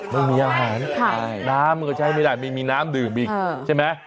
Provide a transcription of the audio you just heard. ไม่มีอาหารน้ำมันก็ใช้ไม่ได้ไม่มีน้ำดื่มอีกใช่ไหม